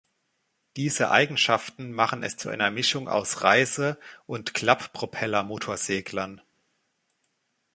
Diese Eigenschaften machen es zu einer Mischung aus Reise- und Klapppropeller-Motorseglern.